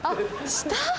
下？